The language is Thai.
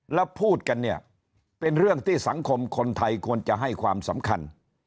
แล้วพูดกันเนี่ยเป็นเรื่องที่สังคมคนไทยควรจะให้ความสำคัญ